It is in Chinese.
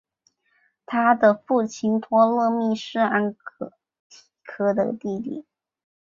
他的父亲托勒密是安提柯的弟弟。